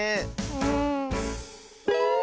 うん。